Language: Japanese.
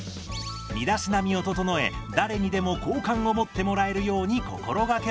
身だしなみを整え誰にでも好感を持ってもらえるように心掛けましょう。